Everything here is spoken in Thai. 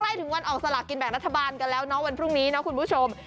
ถึงวันออกสลากกินแบ่งรัฐบาลกันแล้วเนาะวันพรุ่งนี้นะคุณผู้ชม